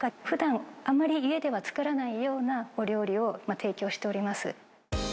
ふだん、あまり家では作らないようなお料理を提供しております。